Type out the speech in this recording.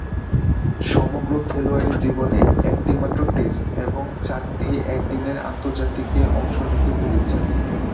সমগ্র খেলোয়াড়ী জীবনে একটিমাত্র টেস্ট ও চারটি একদিনের আন্তর্জাতিকে অংশ নিতে পেরেছেন।